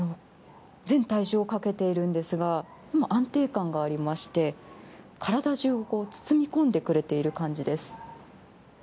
全体重をかけているんですが安定感がありまして、体じゅうを包み込んでくれている感じです。